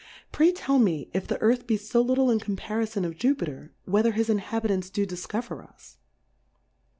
Pray tell me, if the Earth be fo little in comparifon of Jupiter, whether his Inhabitants do difcover us